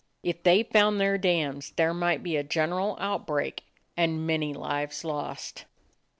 If they found their dams, there might be a gen eral outbreak and many lives lost.